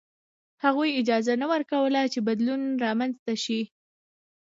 هغوی اجازه نه ورکوله چې بدلون رامنځته شي.